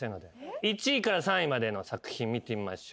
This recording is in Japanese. １位から３位までの作品見てみましょう。